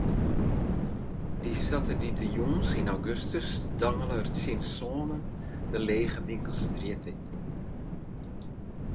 Dy saterdeitejûns yn augustus dangele er tsjin sânen de lege winkelstrjitte yn.